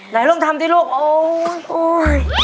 แล้วเริ่มทำที่ลูกโอ๊ย